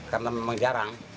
karena memang jarang